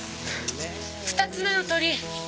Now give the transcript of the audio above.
２つ目の鳥居。